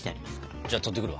じゃあ取ってくるわ。